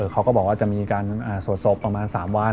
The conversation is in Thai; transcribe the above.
เขาก็บอกว่าจะมีการสวดศพประมาณ๓วัน